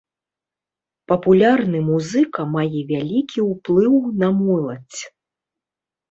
Папулярны музыка мае вялікі ўплыў на моладзь.